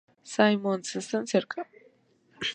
Simons, están cerca.